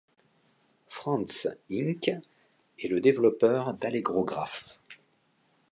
Franz, Inc. est le développeur d'AllegroGraph.